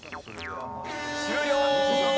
終了！